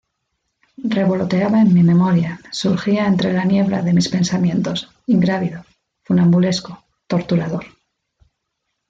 revoloteaba en mi memoria, surgía entre la niebla de mis pensamientos, ingrávido, funambulesco, torturador.